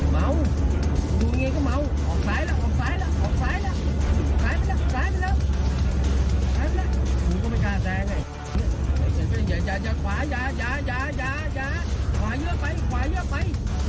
ไฟเยอร์ไปไฟเยอร์ไปไฟเยอร์ไป